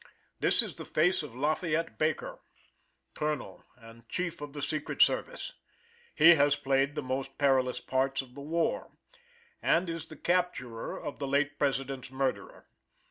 This is the face of Lafayette Baker, colonel and chief of the secret service. He has played the most perilous parts of the war, and is the capturer of the late President's murderer.